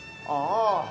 あぁ！